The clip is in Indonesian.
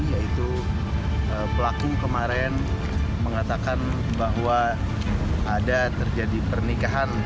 yaitu pelaku kemarin mengatakan bahwa ada terjadi pernikahan